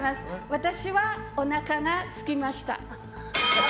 私はおなかがすきました。